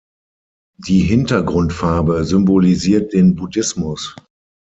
Die Hintergrundfarbe symbolisiert den Buddhismus.